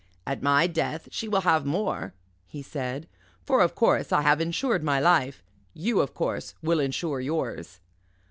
"At my death she will have more," he said, "for, of course, I have insured my life. You, of course, will insure yours."